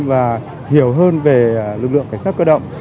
và hiểu hơn về lực lượng cảnh sát cơ động